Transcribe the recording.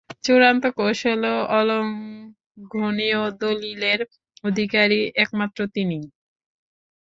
চূড়ান্ত কৌশল ও অলংঘনীয় দলীলের অধিকারী একমাত্র তিনিই।